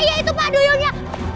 iya itu pak duyungnya